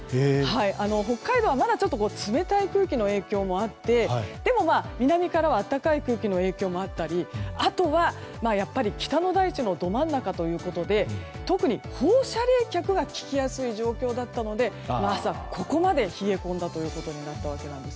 北海道は冷たい空気の影響もあってでも、南からは暖かい空気の影響もあったりあとは、やっぱり北の大地のど真ん中ということで特に放射冷却が効きやすい状況だったので朝はここまで冷え込んだことになったんです。